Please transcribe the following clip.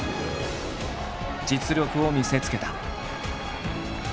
実力を見せつけた。